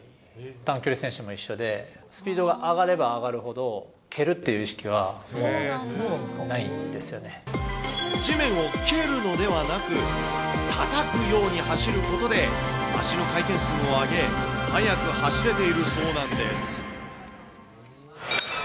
短距離選手も一緒で、スピードが上がれば上がるほど、蹴るってい地面を蹴るのではなく、たたくように走ることで、脚の回転数を上げ、速く走れているそうなんです。